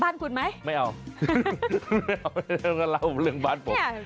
บ้านคุณไหมไม่เอาแล้วก็เล่าเรื่องบ้านผม